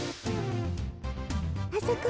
あそこ！